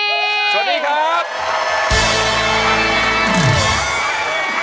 สวัสดีครับ